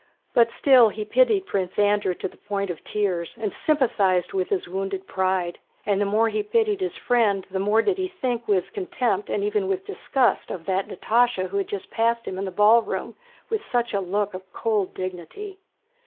But still he pitied Prince Andrew to the point of tears and sympathized with his wounded pride, and the more he pitied his friend the more did he think with contempt and even with disgust of that Natásha who had just passed him in the ballroom with such a look of cold dignity.